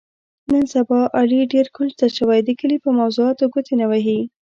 نن سبا علي ډېر کونج ته شوی، د کلي په موضاتو ګوتې نه وهي.